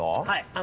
はい。